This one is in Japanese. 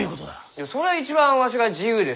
いやそれは一番わしが自由ですき！